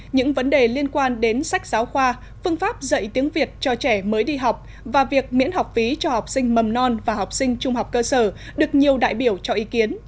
những vấn đề liên quan đến sách giáo khoa phương pháp dạy tiếng việt cho trẻ mới đi học và việc miễn học phí cho học sinh mầm non và học sinh trung học cơ sở được nhiều đại biểu cho ý kiến